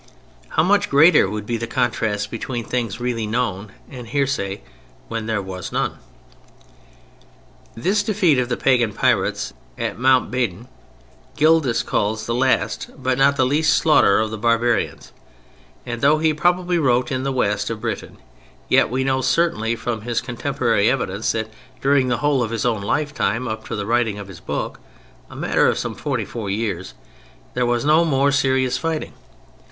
How much greater would be the contrasts between things really known and hearsay when there was none! This defeat of the pagan Pirates at Mt. Badon Gildas calls the last but not the least slaughter of the barbarians; and though he probably wrote in the West of Britain, yet we know certainly from his contemporary evidence that during the whole of his own lifetime up to the writing of his book—a matter of some forty four years—there was no more serious fighting.